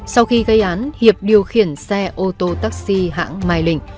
sau khi gây án hiệp điều khiển xe ô tô taxi hãng mai linh